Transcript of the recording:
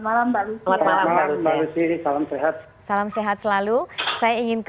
malam banget banget banget banget banget banget selamat sehat selalu saya ingin ke